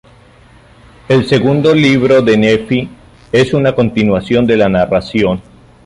El "Segundo Libro de Nefi" es una continuación de la narración.